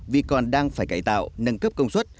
vì còn đang phải cải tạo nâng cấp công suất